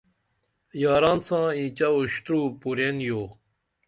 یاران ساں اینچہ اُشترو پُرین یو